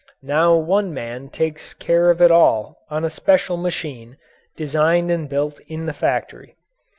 Now one man takes care of it all on a special machine, designed and built in the factory.